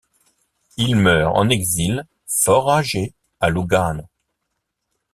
Il meurt en exil, fort âgé, à Lugano.